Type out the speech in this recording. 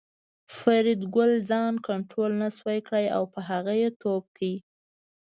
فریدګل ځان کنترول نشو کړای او په هغه یې ټوپ کړ